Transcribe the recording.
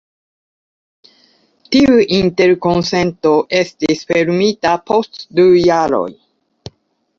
Tiu interkonsento estis fermita post du jaroj.